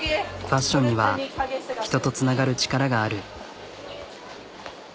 ファッションには人とつながる力がある。